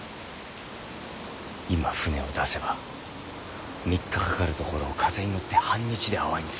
今舟を出せば３日かかるところを風に乗って半日で阿波に着く。